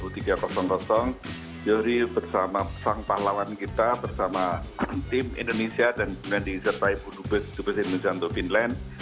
zohri bersama sang pahlawan kita bersama tim indonesia dan juga diisertai dubes dubes indonesia untuk finland